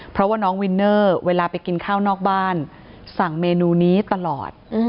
เพราะว่าน้องวินเนอร์เวลาไปกินข้าวนอกบ้านสั่งเมนูนี้ตลอด